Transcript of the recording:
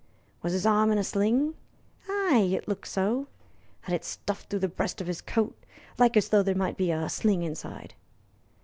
"Was his arm in a sling?" "Ay, it looked so. Had it stuffed through the breast of his coat, like as though there might be a sling inside."